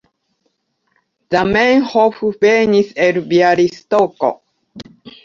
Zamenhof venis el Bjalistoko.